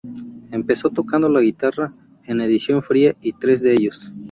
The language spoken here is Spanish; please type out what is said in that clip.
Empezó tocando la guitarra en "Edición Fría" y "Tres de Ellos".